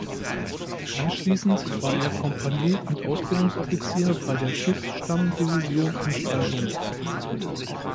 Anschließend war er Kompanie- und Ausbildungsoffizier bei der Schiffsstammdivision in Stralsund.